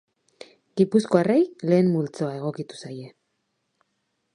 Gipuzkoarrei lehen multzoa egokitu zaie.